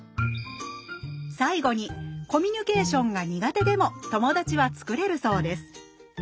最後にコミュニケーションが苦手でも友達は作れるそうです